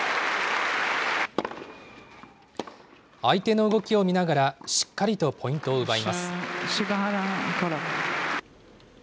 相手の動きを見ながら、しっかりとポイントを奪います。